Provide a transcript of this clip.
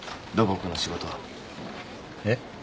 えっ？